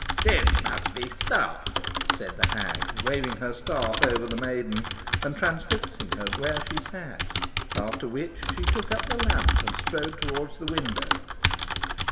"This must be stopped," said the hag, waving her staff over the maiden, and transfixing her where she sat; after which she took up the lamp, and strode towards the window.